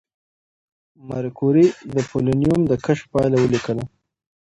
ماري کوري د پولونیم د کشف پایله ولیکله.